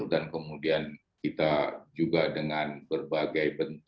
dan kemudian kita juga dengan berbagai berat